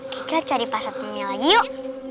kita cari pasatnya lagi yuk